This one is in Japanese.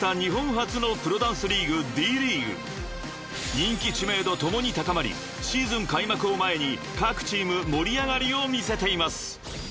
［人気知名度共に高まりシーズン開幕を前に各チーム盛り上がりを見せています］